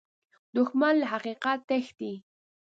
دښمن له حقیقت تښتي